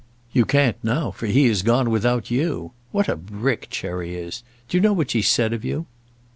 "You can't now, for he has gone without you. What a brick Cherry is! Do you know what she said of you?"